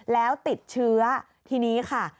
แล้วติดเชื้อทีนี้ค่ะ